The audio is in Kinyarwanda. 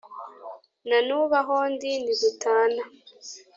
na n'ubu aho ndi ntidutana